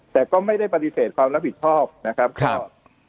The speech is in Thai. แต่ก็ไม่ได้ปฏิเสธความรับผิดชอบนะครับ